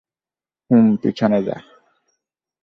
হুম, পিছনে যা।